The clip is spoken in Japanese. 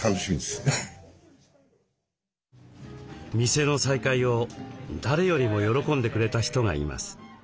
店の再開を誰よりも喜んでくれた人がいます。